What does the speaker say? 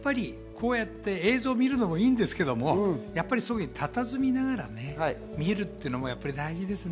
やっぱりこうやって映像を見るのもいいんですけど、たたずみながら見るっていうのがいいですね。